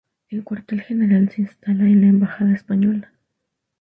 El cuartel general se instala en la embajada española.